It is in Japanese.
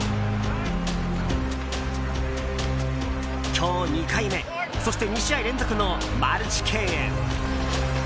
今日２回目そして２試合連続のマルチ敬遠。